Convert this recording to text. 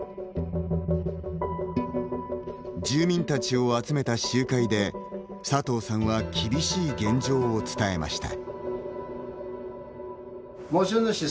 住民たちを集めた集会で佐藤さんは厳しい現状を伝えました。